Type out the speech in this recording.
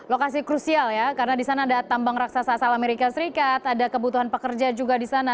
lokasi krusial ya karena disana ada tambang raksasa asal amerika serikat ada kebutuhan pekerja juga disana